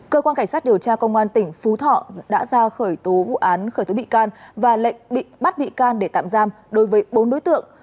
cơ quan cảnh sát điều tra công an tỉnh phú thọ đã ra khởi tố vụ án khởi tố bị can và lệnh bắt bị can để tạm giam đối với bốn đối tượng